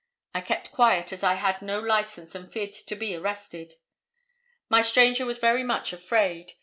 I kept quiet as I had no license and feared to be arrested. My stranger was very much afraid.